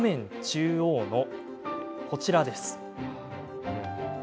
中央の、こちらです。